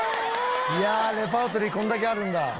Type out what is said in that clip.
レパートリーこんだけあるんだ。